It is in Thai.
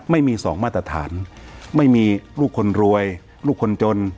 ไม่มีสองมาตรฐานไม่มีลูกคนรวยลูกคนจน